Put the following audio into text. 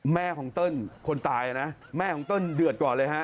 แม่ของเติ้ลคนตายนะแม่ของเติ้ลเดือดก่อนเลยฮะ